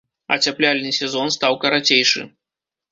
Ацяпляльны сезон стаў карацейшы.